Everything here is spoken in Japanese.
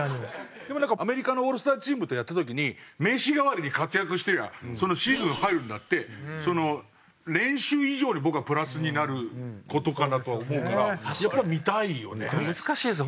でもなんかアメリカのオールスターチームとやった時に名刺代わりに活躍してりゃそのシーズン入るんだって練習以上に僕はプラスになる事かなとは思うからやっぱり見たいよね。